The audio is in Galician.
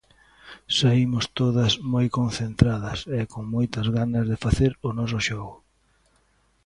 Saímos todas moi concentradas e co moitas ganas de facer o noso xogo.